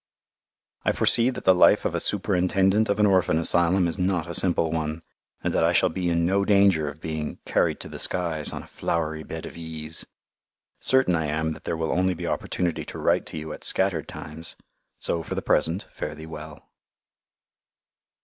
I foresee that the life of a Superintendent of an Orphan Asylum is not a simple one, and that I shall be in no danger of being "carried to the skies" on a "flowery bed of ease." Certain I am that there will only be opportunity to write to you at "scattered times"; so for the present, fare thee well.